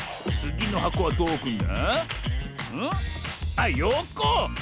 あっよこ！